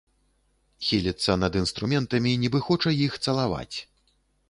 Хіліцца над інструментамі, нібы хоча іх цалаваць.